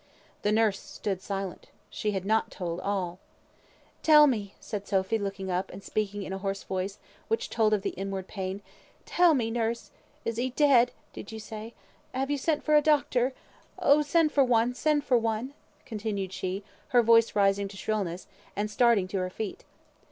The nurse stood silent. She had not told all. "Tell me," said Sophy, looking up, and speaking in a hoarse voice, which told of the inward pain, "tell me, nurse! Is he dead, did you say? Have you sent for a doctor? Oh! send for one, send for one," continued she, her voice rising to shrillness, and starting to her feet.